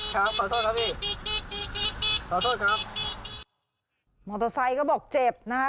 ครับขอโทษครับพี่ขอโทษครับมอเตอร์ไซค์ก็บอกเจ็บนะฮะ